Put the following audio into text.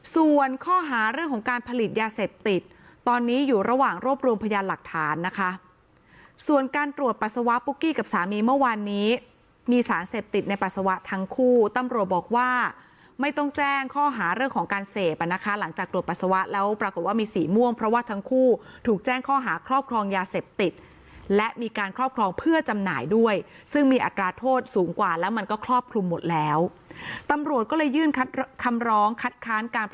ส่วนการตรวจปัสสาวะปุ๊กกี้กับสามีเมื่อวานนี้มีสารเสพติดในปัสสาวะทั้งคู่ตำรวจบอกว่าไม่ต้องแจ้งข้อหาเรื่องของการเสพอ่ะนะคะหลังจากตรวจปัสสาวะแล้วปรากฏว่ามีสีม่วงเพราะว่าทั้งคู่ถูกแจ้งข้อหาครอบครองยาเสพติดและมีการครอบครองเพื่อจำหน่ายด้วยซึ่งมีอัตราโทษสูงกว่าแล้วมันก็คร